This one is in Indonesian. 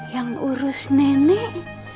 yang urus nenek